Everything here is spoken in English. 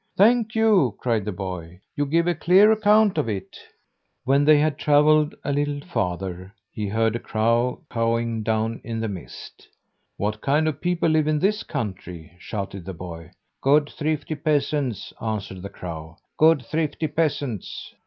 "Thank you," cried the boy. "You give a clear account of it." When they had travelled a little farther, he heard a crow cawing down in the mist. "What kind of people live in this country?" shouted the boy. "Good, thrifty peasants," answered the crow. "Good, thrifty peasants."